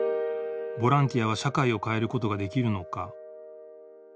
ボランティアは社会を変えることができるのか。